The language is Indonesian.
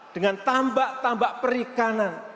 dengan tambak tambak perikanan